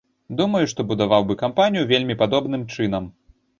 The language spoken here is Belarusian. Думаю, што будаваў бы кампанію вельмі падобным чынам.